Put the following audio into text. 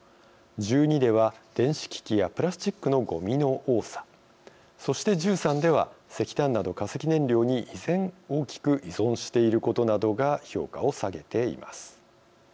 １２では電子機器やプラスチックのごみの多さそして１３では石炭など化石燃料に依然大きく依存していることなどが評価を下げています。